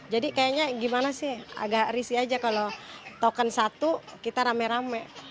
jadi kayaknya gimana sih agak risih aja kalau token satu kita rame rame